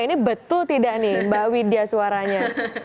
ini betul tidak nih mbak widya suaranya